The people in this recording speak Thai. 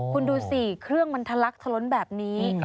คุณดูสิเครื่องมันทะลักทะล้นแบบนี้